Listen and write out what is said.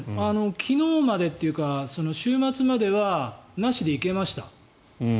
昨日までっていうか週末までは、なしで行けました。